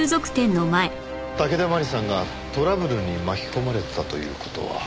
武田麻里さんがトラブルに巻き込まれてたという事は。